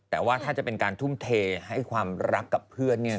แต่ว่าถ้าจะเป็นการทุ่มเทให้ความรักกับเพื่อนเนี่ย